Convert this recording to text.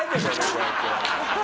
こうやって。